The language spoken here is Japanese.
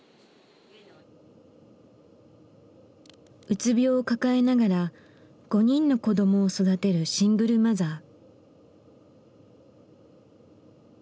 うつ病を抱えながら５人の子どもを育てるシングルマザー。